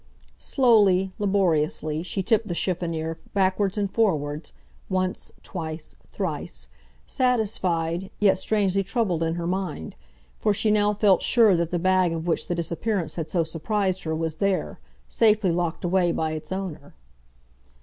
Slowly, laboriously, she tipped the chiffonnier backwards and forwards—once, twice, thrice—satisfied, yet strangely troubled in her mind, for she now felt sure that the bag of which the disappearance had so surprised her was there, safely locked away by its owner.